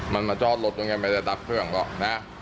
มันมาจอดรถตรงนี้ไม่ได้ดับเครื่องก่อนนะ